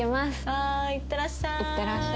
はーいいってらっしゃい。